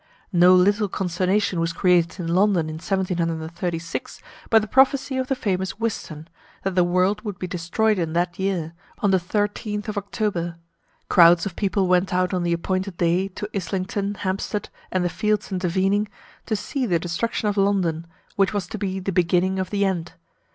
No little consternation was created in London in 1736 by the prophecy of the famous Whiston, that the world would be destroyed in that year, on the 13th of October. Crowds of people went out on the appointed day to Islington, Hampstead, and the fields intervening, to see the destruction of London, which was to be the "beginning of the end."